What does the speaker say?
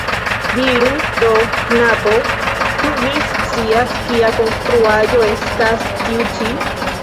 Diru do, knabo, ĉu vi scias kia konstruaĵo estas tiu ĉi?